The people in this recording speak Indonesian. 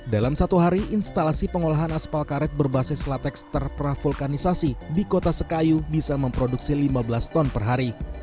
dalam satu hari instalasi pengolahan aspal karet berbasis latex terpravulkanisasi di kota sekayu bisa memproduksi lima belas ton per hari